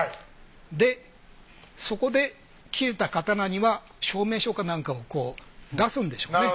でそこで斬れた刀には証明書かなんかをこう出すんでしょうね。